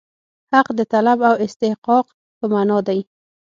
حق د طلب او استحقاق په معنا دی.